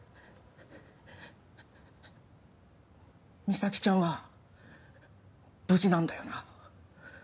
実咲ちゃんは無事なんだよな？